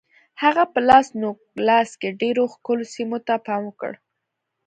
هغه په لاس نوګالس کې ډېرو ښکلو سیمو ته پام وکړ.